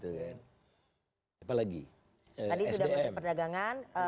tadi sudah menurut perdagangan